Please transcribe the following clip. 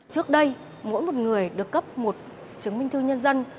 trước đây mỗi một người được cấp một chứng minh thư nhân dân